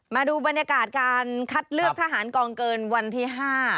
มาดูบรรยากาศการคัดเลือกทหารกองเกินวันที่๕